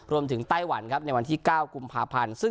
ไต้หวันครับในวันที่๙กุมภาพันธ์